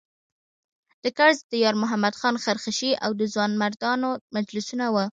د کرز د یارمحمد خان خرخښې او د ځوانمردانو مجلسونه وو.